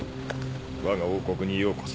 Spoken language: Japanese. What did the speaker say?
わが王国にようこそ。